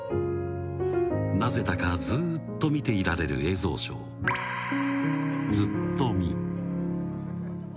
なぜだかずーっと見ていられる映像ショー、ずっとみ。